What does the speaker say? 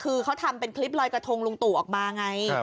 คือเขาทำเป็นคลิปลอยกระทงลุงตู่ออกมาไง